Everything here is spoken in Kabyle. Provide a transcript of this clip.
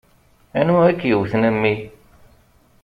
Anwa i k-yewwten, a mmi?